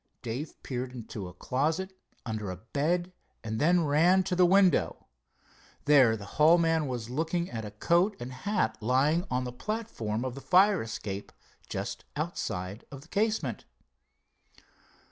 Dave peered into a closet, under a bed, and then ran to the window. There the hall man was looking at a coat and hat lying on the platform of the fire escape, just outside of the casement.